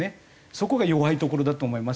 そこが弱いところだと思いますよ。